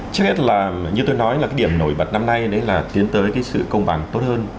trước hết là như tôi nói là cái điểm nổi bật năm nay đấy là tiến tới cái sự công bằng tốt hơn